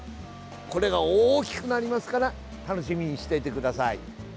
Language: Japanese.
これが大きくなりますから楽しみにしていてください。